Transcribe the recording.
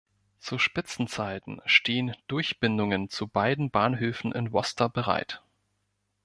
Zu Spitzenzeiten stehen Durchbindungen zu beiden Bahnhöfen in Worcester bereit.